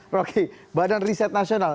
roky badan riset nasional